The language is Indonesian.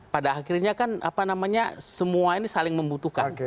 pada akhirnya kan apa namanya semua ini saling membutuhkan